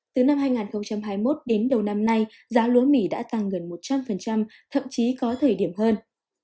từ năm hai nghìn hai mươi một đến đầu năm nay giá lúa mì đã tăng gần một trăm linh thậm chí có thời điểm hơn